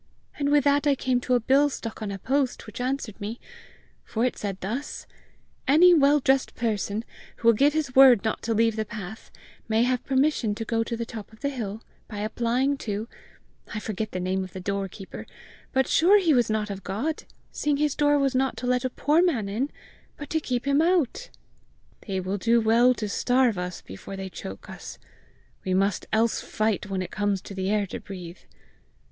And with that I came to a bill stuck on a post, which answered me; for it said thus: 'Any well dressed person, who will give his word not to leave the path, may have permission to go to the top of the hill, by applying to ' I forget the name of the doorkeeper, but sure he was not of God, seeing his door was not to let a poor man in, but to keep him out!" "They do well to starve us before they choke us: we might else fight when it comes to the air to breathe!"